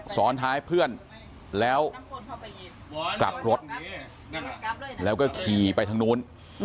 ซ้อนท้ายเพื่อนแล้วกลับรถแล้วก็ขี่ไปทางนู้น